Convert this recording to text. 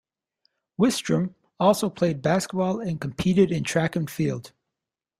Wistrom also played basketball and competed in track and field.